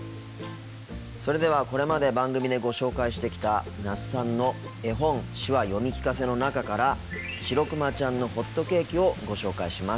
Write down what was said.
それではこれまで番組でご紹介してきた那須さんの「絵本手話読み聞かせ」の中から「しろくまちゃんのほっとけーき」をご紹介します。